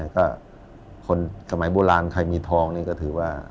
ก็คนสมัยโบราณใครมีทองนี่ก็ถือว่า